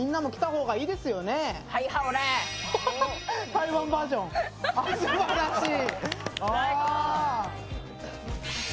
台湾バージョン、すばらしい。